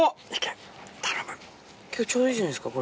ちょうどいいじゃないですか。